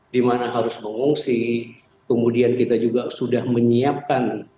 di mana harus mengungsi kemudian kita juga sudah menyiapkan